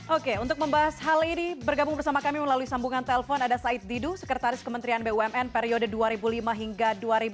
oke untuk membahas hal ini bergabung bersama kami melalui sambungan telpon ada said didu sekretaris kementerian bumn periode dua ribu lima hingga dua ribu dua puluh